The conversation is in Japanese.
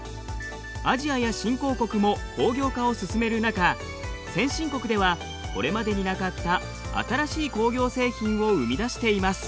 アジアや新興国も工業化を進める中先進国ではこれまでになかった新しい工業製品を生み出しています。